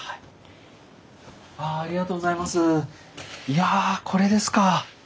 いやこれですか。